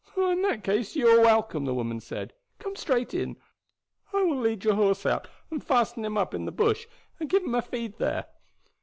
"In that case you are welcome," the woman said. "Come straight in. I will lead your horse out and fasten him up in the bush, and give him a feed there.